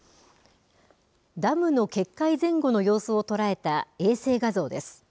ダムの決壊前後の様子を捉えた衛星画像です。